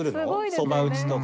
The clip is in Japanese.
そば打ちとか。